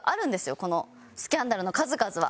このスキャンダルの数々は。